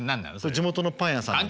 地元のパン屋さん。